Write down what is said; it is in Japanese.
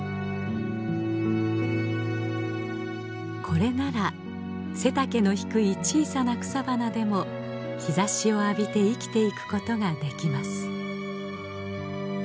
これなら背丈の低い小さな草花でも日ざしを浴びて生きていくことができます。